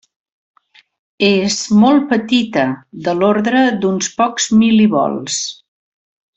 És molt petita, de l'ordre d'uns pocs mil·livolts.